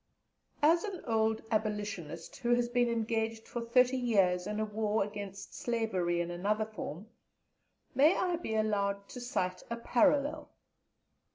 As an old Abolitionist, who has been engaged for thirty years in a war against slavery in another form, may I be allowed to cite a parallel?